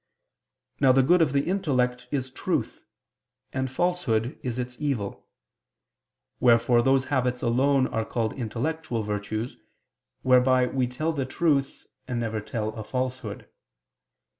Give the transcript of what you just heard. Now the good of the intellect is truth, and falsehood is its evil. Wherefore those habits alone are called intellectual virtues, whereby we tell the truth and never tell a falsehood.